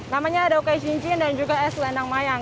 namanya ada oke cincin dan juga es lendang mayang